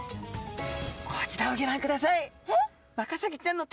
こちらをギョ覧ください。